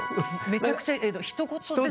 めちゃくちゃひと事ですか？